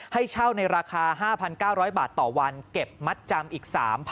ให้เช่าในราคา๕๙๐๐บาทต่อวันเก็บมัดจำอีก๓๐๐๐